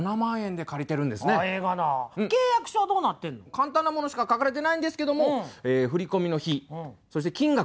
簡単なものしか書かれてないんですけども振り込みの日そして金額